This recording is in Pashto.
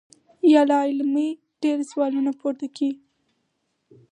يا لا علمۍ ډېر سوالونه پورته کيږي -